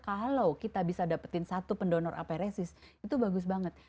kalau kita bisa dapetin satu pendonor aperesis itu bagus banget